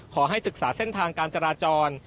ขอให้ศึกษาเส้นทางการจราจร